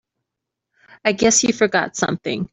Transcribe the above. I guess you forgot something.